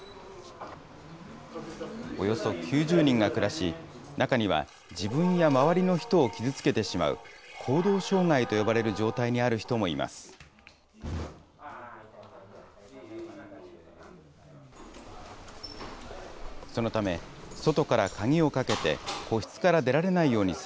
およそ９０人が暮らし、中には自分や周りの人を傷つけてしまう、行動障害と呼ばれる状態にある人もいます。